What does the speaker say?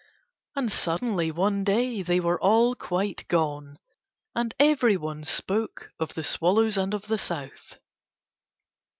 And suddenly one day they were all quite gone. And everyone spoke of the swallows and the South.